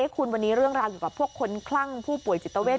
คุณวันนี้เรื่องราวอยู่กับพวกคนคลั่งผู้ป่วยจิตเวท